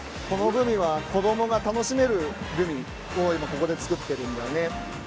このグミは子どもが楽しめるグミを今ここで作ってるんだよね。